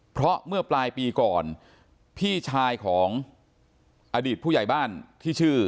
เพราะเมื่อปลายปีก่อนพี่ชายของอดีตผู้ใหญ่บ้านที่ชื่อ